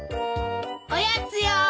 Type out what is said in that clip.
おやつよ。